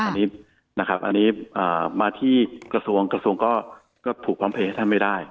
อันนี้นะครับอันนี้มาที่กระทรวงกระทรวงก็ถูกพร้อมเพลย์ให้ท่านไม่ได้